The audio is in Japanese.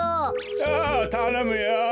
ああたのむよ。